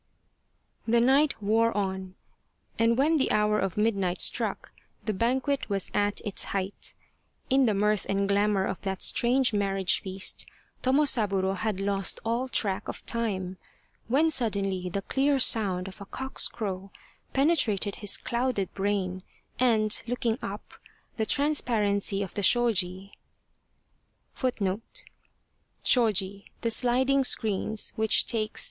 The night wore on and when the hour of midnight struck the banquet was at its height. In the mirth and glamour of that strange marriage feast Tomosaburo had lost all track of time, when suddenly the clear sound of a cock's crow penetrated his clouded brain and, looking up, the transparency of the shoji * of the room began to slowly whiten in the grey of dawn.